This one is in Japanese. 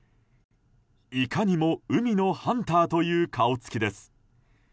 いかにも海のハンターという顔つきです。